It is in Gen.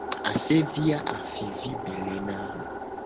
Asevi a afivi be lena.